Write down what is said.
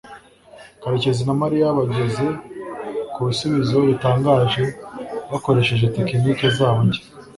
karekezi na mariya bageze ku bisubizo bitangaje bakoresheje tekinike zabo nshya